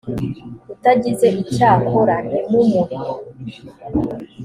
utagize icyakora ntimumuhe.